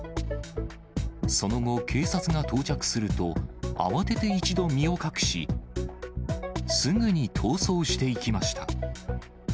その後、警察が到着すると、慌てて一度、身を隠し、すぐに逃走していきました。